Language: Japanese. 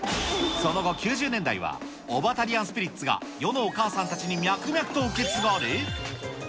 その後９０年代は、オバタリアンスピリッツが世のお母さんたちに脈々と受け継がれ。